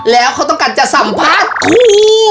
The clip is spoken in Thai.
แล้วเขาต้องการจะสัมภาษณ์คู่